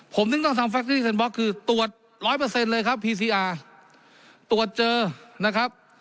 ผมนึกต้องทำคือตรวจร้อยเปอร์เซ็นต์เลยครับตรวจเจอนะครับ